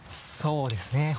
そうですね